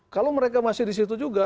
kalau mereka masih di situ juga